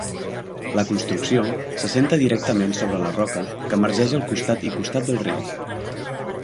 La construcció s'assenta directament sobre la roca que emergeix a costat i costat del riu.